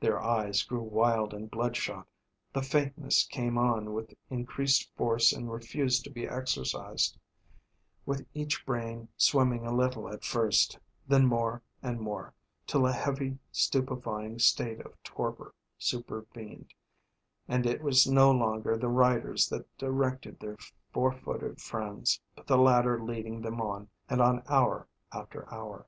Their eyes grew wild and bloodshot, the faintness came on with increased force and refused to be exorcised, with each brain swimming at first a little, then more and more, till a heavy stupefying state of torpor supervened, and it was no longer the riders that directed their four footed friends, but the latter leading them on and on hour after hour.